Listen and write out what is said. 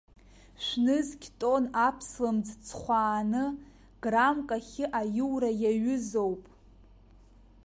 Шәнызқь тонна аԥслымӡ ҵхәааны, граммк ахьы аиура иаҩызоуп.